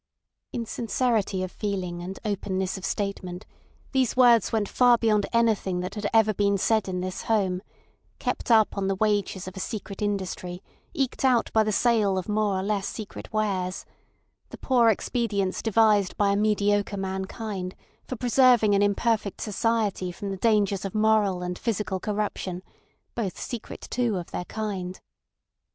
In sincerity of feeling and openness of statement, these words went far beyond anything that had ever been said in this home, kept up on the wages of a secret industry eked out by the sale of more or less secret wares: the poor expedients devised by a mediocre mankind for preserving an imperfect society from the dangers of moral and physical corruption, both secret too of their kind.